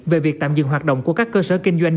về việc tạm dừng hoạt động của các cơ sở kinh doanh